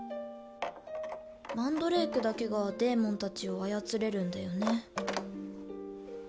マンドレークだけがデーモンたちを操れるんだよね。